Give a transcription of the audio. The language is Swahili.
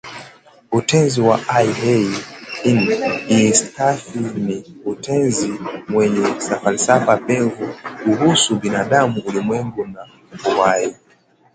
Utenzi wa Al-Inkishafi ni utenzi wenye falsafa pevu kuhusu binadamu, ulimwengu na uhai